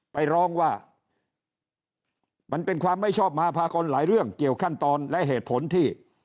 ไปร้องว่ามันเป็นความไม่ชอบมาพากลหลายเรื่องเกี่ยวขั้นตอนและเหตุผลที่